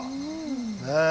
ねえ。